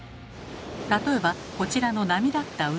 例えばこちらの波立った海。